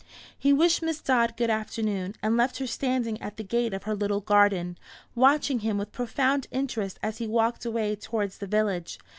He wished Miss Dodd good afternoon, and left her standing at the gate of her little garden, watching him with profound interest as he walked away towards the village.